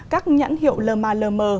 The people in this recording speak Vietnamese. các nhãn hiệu lờ mà lờ mờ